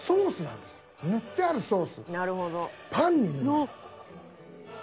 塗ってあるソース。